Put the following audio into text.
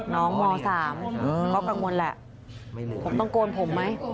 น้องม๓เขากังวลแหละต้องโกนผมไหม